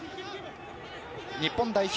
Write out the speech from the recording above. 日本代表